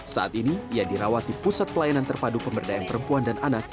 saat ini ia dirawat di pusat pelayanan terpadu pemberdayaan perempuan dan anak